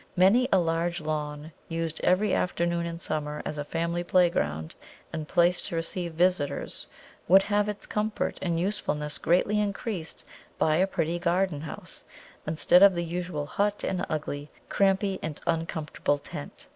Many a large lawn used every afternoon in summer as a family playground and place to receive visitors would have its comfort and usefulness greatly increased by a pretty garden house, instead of the usual hot and ugly, crampy and uncomfortable tent.